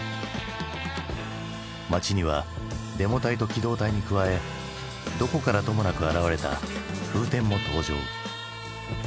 街にはデモ隊と機動隊に加えどこからともなく現れた「フーテン」も登場。